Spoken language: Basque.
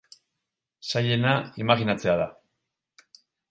Zailena, imajinatzea da.